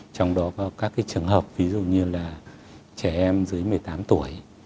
trong đó có các trường hợp ví dụ như là trẻ em dưới một mươi tám tuổi